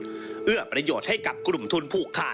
ก็ได้มีการอภิปรายในภาคของท่านประธานที่กรกครับ